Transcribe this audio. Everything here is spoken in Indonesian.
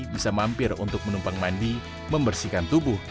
bisa mampir untuk menumpang mandi membersihkan tubuh